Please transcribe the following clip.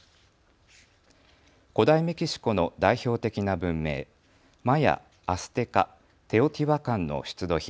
古代メキシコの代表的な文明、マヤ、アステカ、テオティワカンの出土品